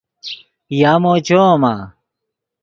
یامو چویمآ؟